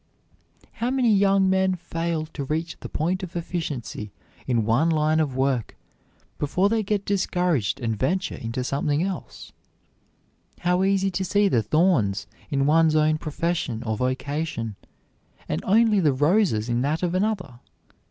How many young men fail to reach the point of efficiency in one line of work before they get discouraged and venture into something else! How easy to see the thorns in one's own profession or vocation, and only the roses in that of another!